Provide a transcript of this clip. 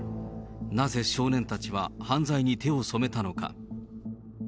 なぜ少年たちは犯罪に手を染めたのか。